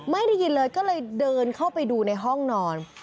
ได้ยินเลยก็เลยเดินเข้าไปดูในห้องนอน